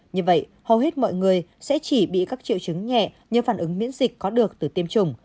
như vậy hầu hết mọi người sẽ chỉ bị các triệu chứng nhẹ nhờ phản ứng miễn dịch có được từ tiêm chủng